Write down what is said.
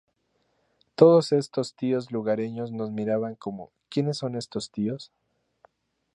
Todos estos tíos lugareños nos miraban como: "¿Quienes son estos tíos?